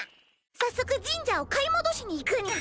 早速神社を買い戻しに行くにゃ。